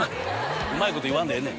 うまいこと言わんでええねん。